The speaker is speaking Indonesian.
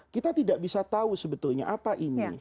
kita tidak bisa tahu sebetulnya apa ini